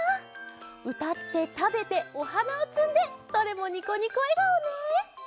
うたってたべておはなをつんでどれもニコニコえがおね！